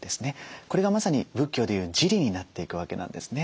これがまさに仏教で言う自利になっていくわけなんですね。